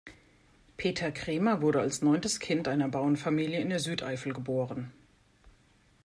Peter Kremer wurde als neuntes Kind einer Bauernfamilie in der Südeifel geboren.